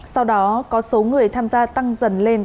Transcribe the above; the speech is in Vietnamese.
sau đó có số người tham gia tăng dần lên